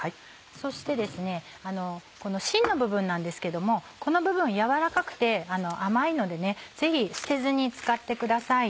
そしてこのしんの部分なんですけどもこの部分柔らかくて甘いのでぜひ捨てずに使ってください。